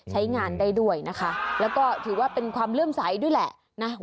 ใช้งานได้ด้วยนะคะแล้วก็ถือว่าเป็นความเลื่อมใสด้วยแหละนะ